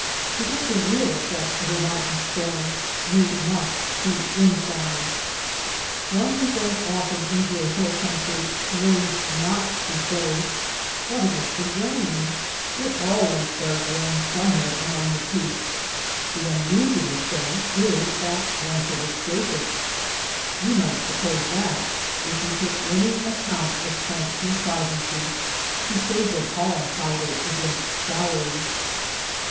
To get the real effect of a moun tain storm you must be inside. 248 NURSLINGS OF THE SKY One who goes often into a hill country learns not to say : What if it should rain ? It always does rain somewhere among the peaks: the unusual thing is that one should escape it. You might suppose that if you took any account of plant contrivances to save their pollen powder against showers.